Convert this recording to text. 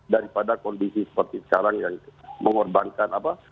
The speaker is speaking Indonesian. daripada kondisi seperti sekarang yang mengorbankan apa